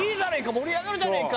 盛り上がるじゃねえか！